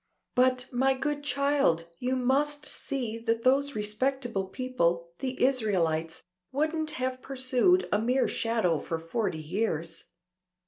"But, my good child, you must see that those respectable people, the Israelites, wouldn't have pursued a mere shadow for forty years."